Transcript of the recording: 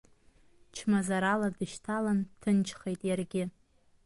Чмазарала дышьҭалан дҭынчхеит иаргьы.